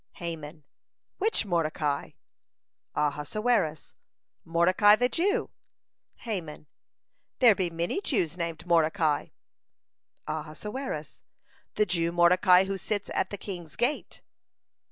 Haman: "Which Mordecai?" Ahasuerus: "Mordecai the Jew." Haman: "There be many Jews named Mordecai." Ahasuerus: "The Jew Mordecai who sits at the king's gate."